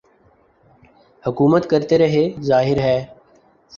حکومت کرتے رہے ظاہر ہے